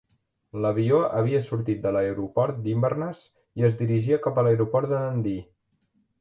L'avió havia sortit de l'aeroport d'Inverness i es dirigia cap a l'aeroport de Dundee.